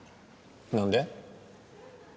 何で？